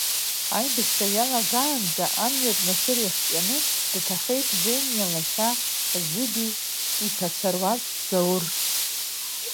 Аибашьра иалагаанӡа амҩатә машәыр иахҟьаны дҭахоит жениа лашьа Зыбеи иԥацәа руаӡәк Заур.